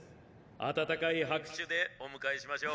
温かい拍手でお迎えしましょう。